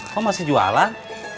kok masih jualan